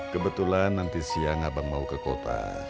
kebetulan nanti siang abang mau ke kota